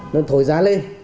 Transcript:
nó thổi giá lên